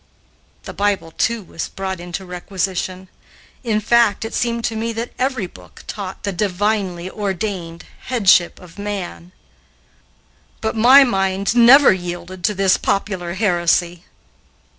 The Bible, too, was brought into requisition. In fact it seemed to me that every book taught the "divinely ordained" headship of man; but my mind never yielded to this popular heresy.